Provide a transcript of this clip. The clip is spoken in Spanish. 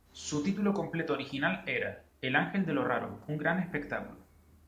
Su título completo original era ""El ángel de lo raro: Un gran espectáculo"".